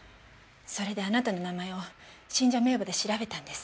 それであなたの名前を信者名簿で調べたんです。